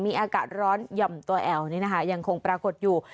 มีอากาศร้อนหย่อมตัวแอลนี่นะคะยังคงปรากฏอยู่